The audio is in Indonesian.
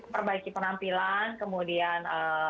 perbaiki penampilan kemudian